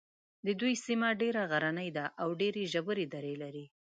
د دوی سیمه ډېره غرنۍ ده او ډېرې ژورې درې لري.